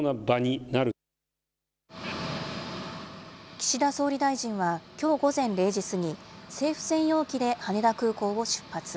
岸田総理大臣はきょう午前０時過ぎ、政府専用機で羽田空港を出発。